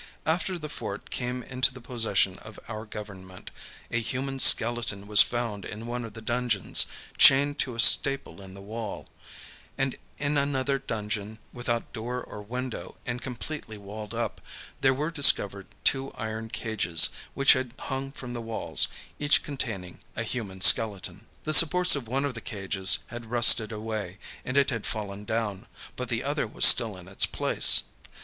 After the fort came into the possession of our government, a human skeleton was found in one of the dungeons, chained to a staple in the wall; and in another dungeon, without door or window and completely walled up, there were discovered two iron cages which had hung from the walls, each containing a human skeleton. The supports of one of the cages had rusted away, and it had fallen down, but the other was still in its place.